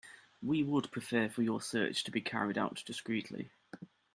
We would prefer for your search to be carried out discreetly.